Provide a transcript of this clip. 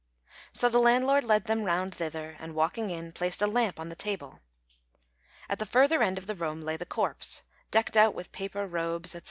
So the landlord led them round thither, and walking in, placed a lamp on the table. At the further end of the room lay the corpse, decked out with paper robes, &c.